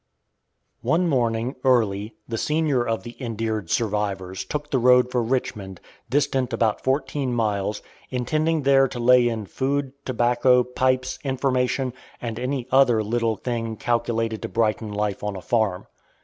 One morning, early, the senior of the "endeared" survivors took the road for Richmond, distant about fourteen miles, intending there to lay in food, tobacco, pipes, information, and any other little thing calculated to brighten life on a farm.